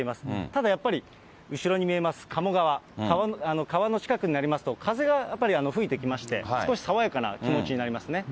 ただやっぱり、後ろに見えます鴨川、川の近くになりますと、風がやっぱり吹いてきまして、少し爽やかな気持ちになりますね。